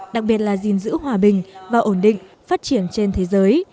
đặc biệt là gìn giữ hòa bình và ổn định phát triển trên thế giới